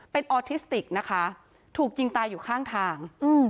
เป็นออทิสติกนะคะถูกยิงตายอยู่ข้างทาง